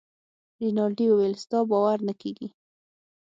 رینالډي وویل ستا باور نه کیږي.